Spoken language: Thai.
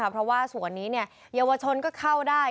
เพราะว่าส่วนนี้เยาวชนก็เข้าได้